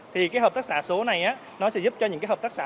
thì cái hợp tác xã số này nó sẽ giúp cho những cái hợp tác xã